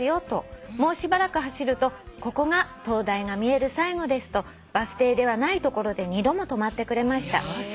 「もうしばらく走ると『ここが灯台が見える最後です』とバス停ではない所で２度も止まってくれました」